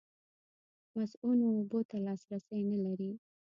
مصؤنو اوبو ته لاسرسی نه لري.